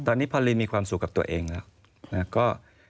ตอนนี้พอลินมีความสุขกับตัวเองแล้วก็